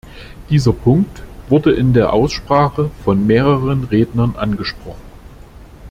Dieser Punkt wurde in der Aussprache von mehreren Rednern angesprochen.